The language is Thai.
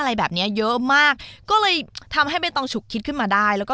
อะไรแบบเนี้ยเยอะมากก็เลยทำให้ใบตองฉุกคิดขึ้นมาได้แล้วก็